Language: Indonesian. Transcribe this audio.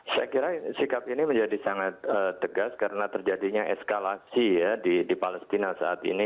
saya kira sikap ini menjadi sangat tegas karena terjadinya eskalasi ya di palestina saat ini